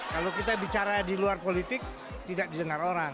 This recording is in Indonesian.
kalau kita bicara di luar politik tidak didengar orang